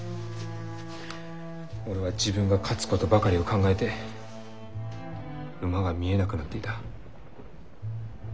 俺は自分が勝つことばかりを考えて馬が見えなくなっていた。